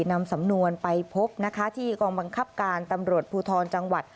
นำสำนวนไปพบนะคะที่กองบังคับการตำรวจภูทรจังหวัด